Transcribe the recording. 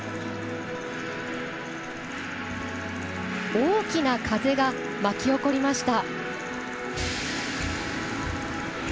大きな風が巻き起こりました。